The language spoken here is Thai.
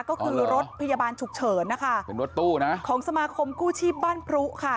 ก็คือรถพยาบาลฉุกเฉินนะคะเป็นรถตู้นะของสมาคมกู้ชีพบ้านพรุค่ะ